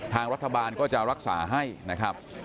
ทางรัฐบาลก็จะรักษาให้นะครับ